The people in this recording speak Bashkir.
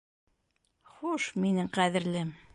Хуш, минең ҡәҙерлем!